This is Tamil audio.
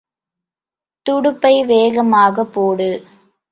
துடுப்பை வேகமாகப் போடு.